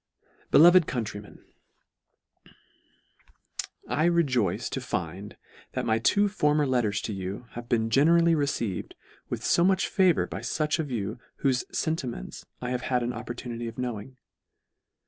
Beloved Countrymen, I REJOICE to find, that my two former letters to you, have been generally re ceived with fo much favour by fuch of you whofe fentiments I have had an opportunity of knowing.